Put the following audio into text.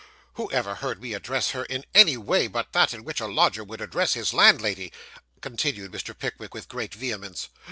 'Who ever heard me address her in any way but that in which a lodger would address his landlady?' continued Mr. Pickwick, with great vehemence.